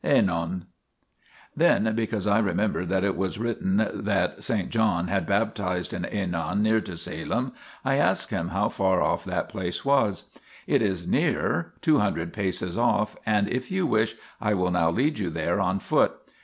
Then, because I remembered that it was written l that S. John had baptized in JEnon near to Salim, I asked him how far off that place was. The holy priest answered :" It is near, two hundred paces off, and, if you wish, I will now lead you there on foot.